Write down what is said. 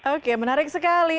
oke menarik sekali